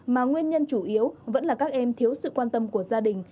mà nguyên nhân chủ yếu vẫn là các em thiếu sự quan tâm của gia đình